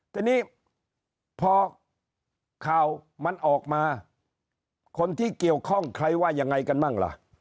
ทีนี้พอข่าวมันออกมาคนที่เกี่ยวข้องใครว่ายังไงกันบ้างล่ะ